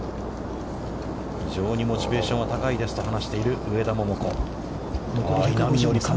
非常にモチベーションは高いですと、話している上田桃子。